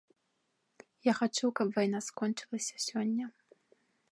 Я хачу, каб вайна скончылася сёння.